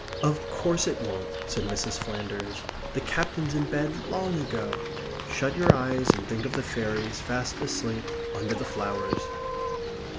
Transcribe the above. "Of course it won't," said Mrs. Flanders. "The Captain's in bed long ago. Shut your eyes, and think of the fairies, fast asleep, under the flowers."